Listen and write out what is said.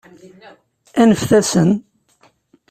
Aneft-asen!